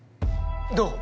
どう？